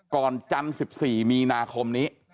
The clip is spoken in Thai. ก่อนจันทร์๑๔มีนาคมนี้